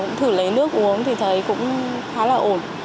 cũng thử lấy nước uống thì thấy cũng khá là ổn